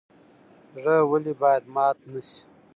زړه ولې باید مات نشي؟